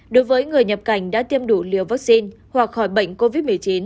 đối với người nhập cảnh đã tiêm đủ liều vaccine hoặc khỏi bệnh covid một mươi chín